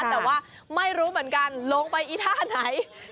แต่ว่าไม่รู้เหมือนกันลงไปอีท่าไหน